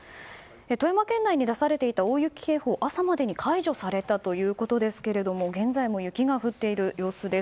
富山県内に出されていた大雪警報朝までに解除されたということですが現在も雪が降っている様子です。